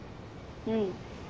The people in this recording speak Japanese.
うん。